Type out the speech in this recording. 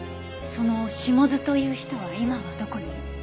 その下津という人は今はどこに？